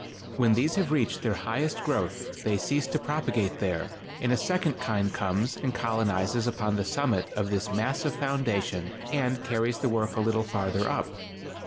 When these have reached their highest growth they cease to propagate there, and a second kind comes and colonizes upon the summit of this massive foundation and carries the work a little farther up.